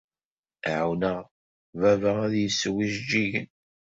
Ɛawneɣ baba ad yessew ijejjigen.